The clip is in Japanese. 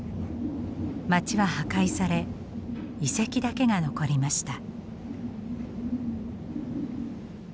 街は破壊され遺跡だけが残りました。